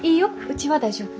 うちは大丈夫。